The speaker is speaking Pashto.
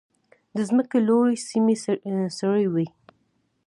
د ځمکې لوړې سیمې سړې وي.